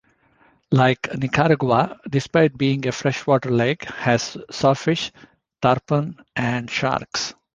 Lake Nicaragua, despite being a freshwater lake, has sawfish, tarpon, and sharks.